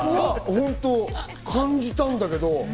感じたんだけど。